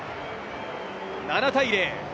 ７対０。